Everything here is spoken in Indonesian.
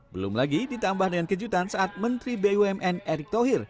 belum lagi ditambah dengan kejutan saat menteri bumn erick thohir